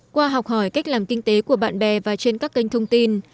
qua học hỏi cách làm kinh tế của bạn bè và trên các kênh thông tin